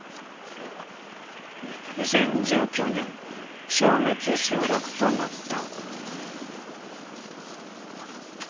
２０１９年消滅集落となった。